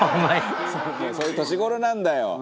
「そういう年頃なんだよ。